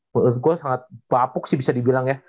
menurut gue sangat papuk sih bisa dibilang ya